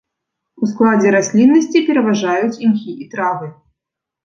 У складзе расліннасці пераважаюць імхі і травы.